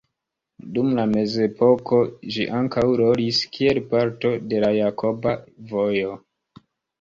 Dum la mezepoko ĝi ankaŭ rolis kiel parto de la Jakoba Vojo.